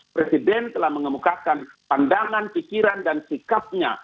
presiden telah mengemukakan pandangan pikiran dan sikapnya